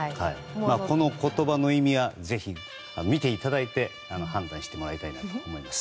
この言葉の意味はぜひ見ていただいて判断していただきたいなと思います。